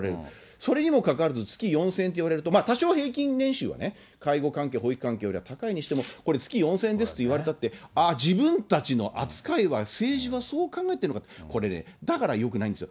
それにもかかわらず、月４０００円っていわれると、多少、平均年収は介護環境、保育環境よりは高いにしても、これ、月４０００円ですっていわれたって、あー、自分たちの扱いは政治はそう考えてるのか、これね、だからよくないんですよ。